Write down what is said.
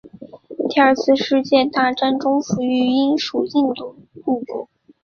第二次世界大战中服役于英属印度陆军。